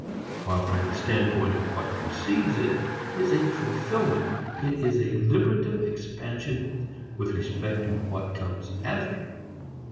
While from the standpoint of what precedes it is a fulfilment, it is a liberative expansion with respect to what comes after.